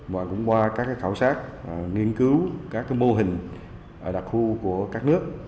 và cũng qua các khảo sát nghiên cứu các mô hình đặc khu của các nước